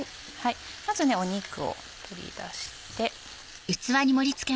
まず肉を取り出して。